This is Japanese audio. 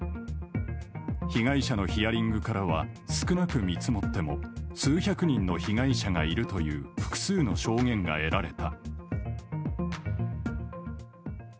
被害者のヒアリングからは少なく見積もっても数百人の被害者がいるという複数の証言が得られた。